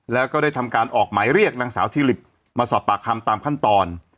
แล้วก็ได้ทำการออกหมายเรียกนางสาวทิลิปมาสอบปากคำตามขั้นตอน